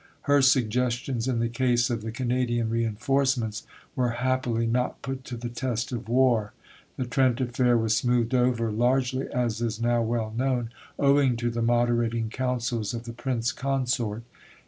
Her suggestions in the case of the Canadian reinforcements were happily not put to the test of war. The Trent affair was smoothed over, largely, as is now well known, owing to the moderating counsels of the Prince Consort.